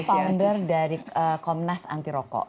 founder dari komnas anti rokok